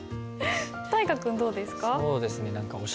大河君どうですか？